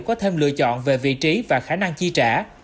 có thêm lựa chọn về vị trí và khả năng chi trả